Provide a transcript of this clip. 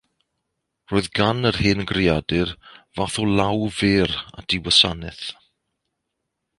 Yr oedd gan yr hen greadur fath o law fer at ei wasanaeth.